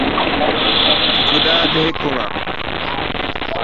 Tutu daa duhi kuŋa.